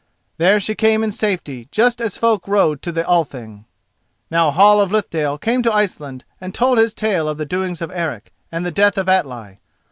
There she came in safety just as folk rode to the Thing. Now Hall of Lithdale came to Iceland and told his tale of the doings of Eric and the death of Atli.